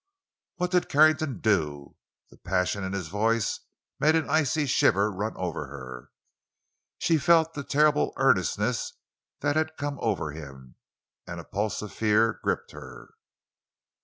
"What did Carrington do?" The passion in his voice made an icy shiver run over her—she felt the terrible earnestness that had come over him, and a pulse of fear gripped her.